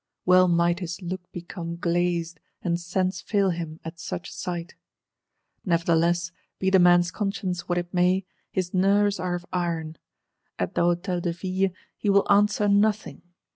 Well might his "look become glazed," and sense fail him, at such sight!—Nevertheless, be the man's conscience what it may, his nerves are of iron. At the Hôtel de Ville, he will answer nothing.